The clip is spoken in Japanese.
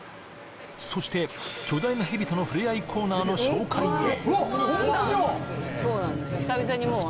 そして、巨大な蛇との触れ合いコーナーの紹介へ。